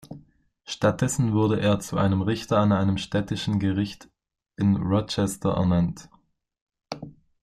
Stattdessen wurde er zu einem Richter an einem städtischen Gericht in Rochester ernannt.